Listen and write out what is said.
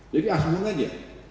jadi asmung aja